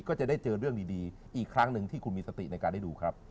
ก็จะได้เจอเรื่องดีอีกครั้งหนึ่งที่คุณมีสติในการได้ดูครับ